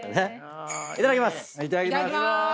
いただきます。